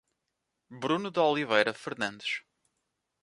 Bruno de Oliveira Fernandes